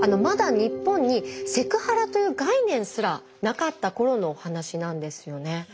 まだ日本にセクハラという概念すらなかった頃のお話なんですよね。